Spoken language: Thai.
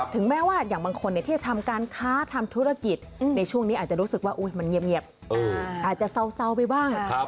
แม้ว่าอย่างบางคนที่จะทำการค้าทำธุรกิจในช่วงนี้อาจจะรู้สึกว่ามันเงียบอาจจะเศร้าไปบ้าง